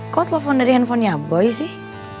kok lo telpon dari handphonenya boy sih